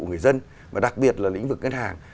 của người dân và đặc biệt là lĩnh vực ngân hàng